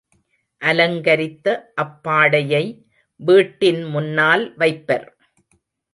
அலங்கரித்த அப்பாடையை வீட்டின் முன்னால் வைப்பர்.